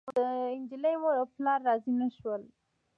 خو د نجلۍ مور او پلار راضي نه شول.